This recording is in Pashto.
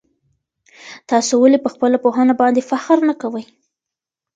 تاسو ولي په خپله پوهنه باندي فخر نه کوئ؟